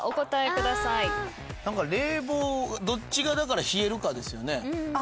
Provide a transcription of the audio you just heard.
何か冷房どっちが冷えるかですよね。